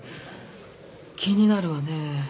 気になるわね。